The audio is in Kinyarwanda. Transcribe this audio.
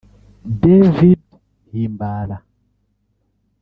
David Himbara